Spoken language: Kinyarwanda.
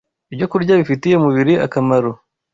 ibyokurya bifitiye umubiri akamaro.